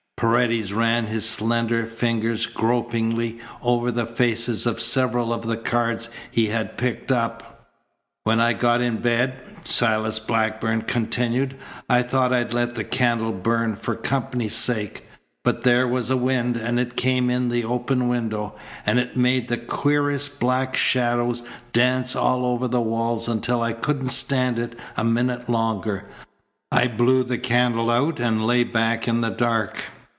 Paredes ran his slender fingers gropingly over the faces of several of the cards he had picked up. "When I got in bed," Silas Blackburn continued, "I thought I'd let the candle burn for company's sake, but there was a wind, and it came in the open window, and it made the queerest black shadows dance all over the walls until I couldn't stand it a minute longer. I blew the candle out and lay back in the dark."